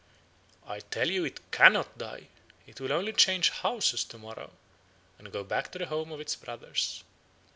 "'I tell you it cannot die; it will only change houses to morrow, and go back to the home of its brothers.